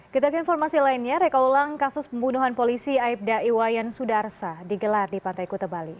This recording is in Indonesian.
kita ke informasi lainnya reka ulang kasus pembunuhan polisi aibda iwayan sudarsa digelar di pantai kuta bali